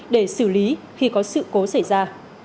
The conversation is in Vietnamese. để xử lý khi có sự cố xảy ra